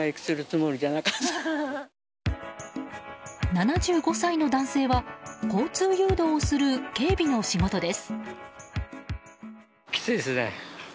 ７５歳の男性は交通誘導をする警備の仕事です。